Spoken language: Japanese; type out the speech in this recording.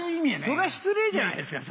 そりゃ失礼じゃないですか。